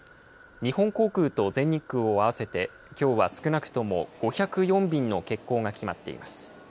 日本航空と全日空を合わせてきょうは少なくとも５０４便の欠航が決まっています。